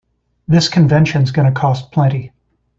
This convention's gonna cost plenty.